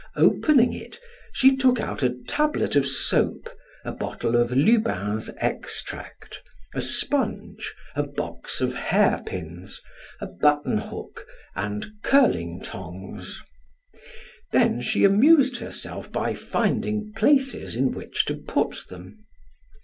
Opening it she took out a tablet of soap, a bottle of Lubin's extract, a sponge, a box of hairpins, a button hook, and curling tongs. Then she amused herself by finding places in which to put them.